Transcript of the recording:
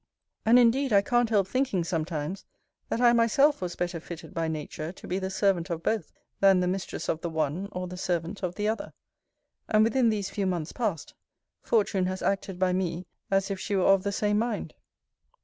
And indeed I can't help thinking sometimes, that I myself was better fitted by Nature to be the servant of both, than the mistress of the one, or the servant of the other. And within these few months past, Fortune has acted by me, as if she were of the same mind.